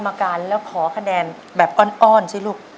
มาการแล้วขอคะแนนแบบอ้อนสิลูก